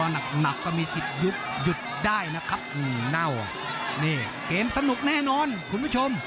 นี่เกมสนุกแน่นอนคุณผู้ชม